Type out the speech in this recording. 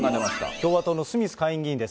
共和党のスミス下院議員です。